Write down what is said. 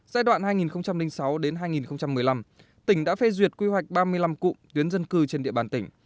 giai đoạn hai nghìn sáu hai nghìn một mươi năm tỉnh đã phê duyệt quy hoạch ba mươi năm cụm tuyến dân cư trên địa bàn tỉnh